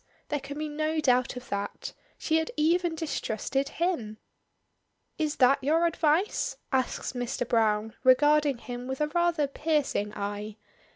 There can be no doubt of that. She had even distrusted him! "Is that your advice?" asks Mr. Browne, regarding him with a rather piercing eye.